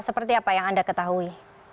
seperti apa yang anda ketahui